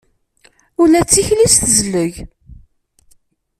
Ula d tikli-s tezleg.